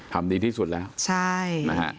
ทำดีที่สุดแล้วใช่